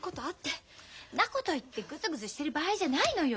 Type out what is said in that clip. んなこと言ってグズグズしてる場合じゃないのよ。